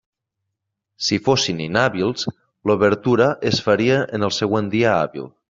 Si fossin inhàbils, l'obertura es faria en el següent dia hàbil.